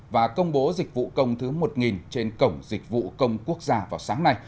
và công bố dịch vụ công thứ một trên cổng dịch vụ công quốc gia vào sáng nay